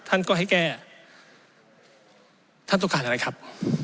ท่านก็ให้แก้ท่านต้องการอะไรครับ